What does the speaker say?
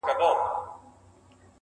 مهرباني د زړونو یخ ویلې کوي’